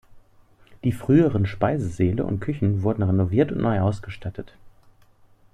Die früheren Speisesäle und Küchen wurden renoviert und neu ausgestattet.